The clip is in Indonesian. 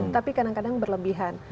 tapi kadang kadang berlebihan